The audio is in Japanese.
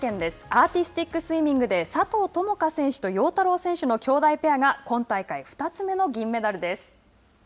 アーティスティックスイミングで佐藤友花選手と陽太郎選手のきょうだいペアが今大会２つ目の銀メダルです。